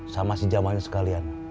sama si jamal ini sekalian